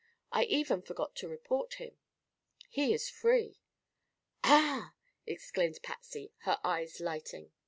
I even forgot to report him. He is free." "Ah!" exclaimed Patsy, her eyes lighting.